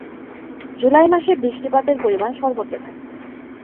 জুলাই মাসে বৃষ্টিপাতের পরিমাণ সর্বোচ্চ থাকে।